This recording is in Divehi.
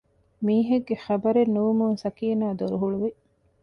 މީހެއްގެ ޚަބަރެއް ނުވުމުން ސަކީނާ ދޮރު ހުޅުވި